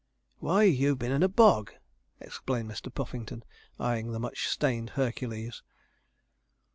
'Why, you've been in a bog!' exclaimed Mr. Puffington, eyeing the much stained Hercules.